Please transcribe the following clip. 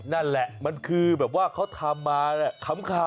นั่นแหละมันคือแบบว่าเขาทำมาขำ